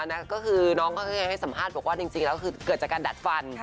นั่นก็คือน้องเขาเคยให้สัมภาษณ์บอกว่าจริงแล้วคือเกิดจากการดัดฟัน